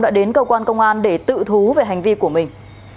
đã đến cơ quan công an để tự thú về hành vi của mình